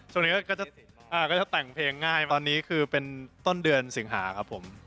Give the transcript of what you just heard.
ส่วนใหญ่ก็จะแต่งเพลงง่ายมาตอนนี้คือเป็นต้นเดือนสิงหาครับผม